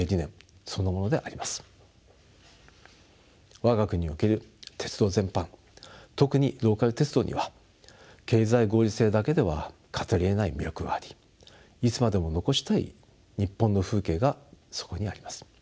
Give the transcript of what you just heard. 我が国における鉄道全般特にローカル鉄道には経済合理性だけでは語りえない魅力がありいつまでも残したい日本の風景がそこにあります。